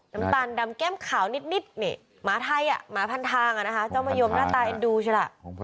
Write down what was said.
น้ำตาลดำแก้มขาวนิดมาภัณฑ์ทางนะคะเจ้ามะยมหน้าตาแอนดูใช่หรือล่ะ